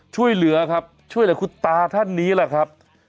ช่วยเหลือครับช่วยเหลือคุณตาท่านนี้แหละครับ